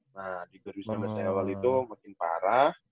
nah di dua ribu sembilan belas awal itu makin parah